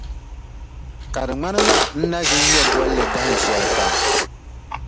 Ka di ŋmanila n na ʒi n-ŋme bolli dahinshɛli kam.